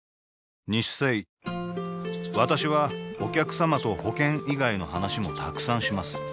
私はお客様と保険以外の話もたくさんします